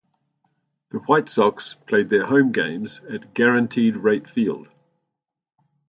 The White Sox played their home games at Guaranteed Rate Field.